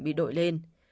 bị đội lên